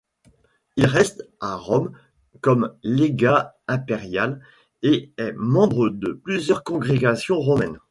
Il reste à Rome comme légat impérial et est membre de plusieurs congrégations romaines.